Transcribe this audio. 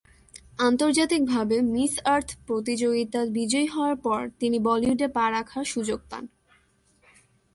আন্তর্জাতিকভাবে "Miss Earth" প্রতিযোগিতা বিজয়ী হওয়ার পর তিনি বলিউডে পা রাখার সুযোগ পান।